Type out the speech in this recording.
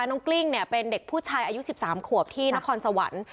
กลิ้งเนี่ยเป็นเด็กผู้ชายอายุ๑๓ขวบที่นครสวรรค์